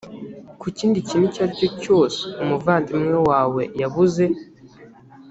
ku kindi kintu icyo ari cyo cyose umuvandimwe wawe yabuze